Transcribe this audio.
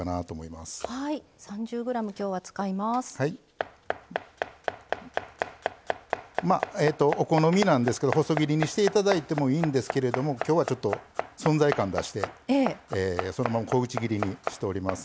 まあお好みなんですけど細切りにしていただいてもいいんですけれどもきょうは存在感出してそのまま小口切りにしております。